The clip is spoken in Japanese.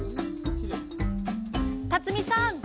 辰巳さん